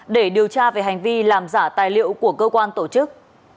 để điều tra về hành vi làm giả tài liệu của cơ quan tổ chức